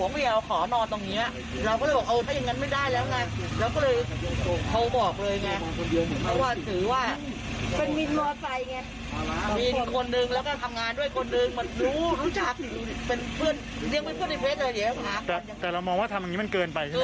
พี่สาแต่เรามองว่าทำแบบนี้มันเกินไปใช่ไหม